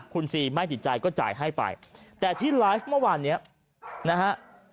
คุณซีไม่ติดใจก็จ่ายให้ไปแต่ที่ไลฟ์เมื่อวานเนี้ยนะฮะ